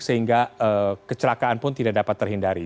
sehingga kecelakaan pun tidak dapat terhindari